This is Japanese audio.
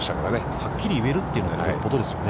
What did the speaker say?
はっきり言えるというのが、よっぽどですよね。